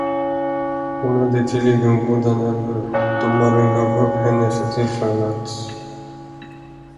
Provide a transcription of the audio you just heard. Hon hade tydligen goda nerver, domaren gav upp henne för tillfället.